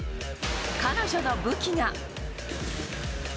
彼女の武器が。